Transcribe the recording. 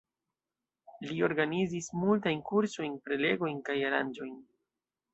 Li organizis multajn kursojn, prelegojn kaj aranĝojn.